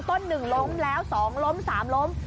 ต้นหนึ่งล้มแล้วสองล้มสามล้ม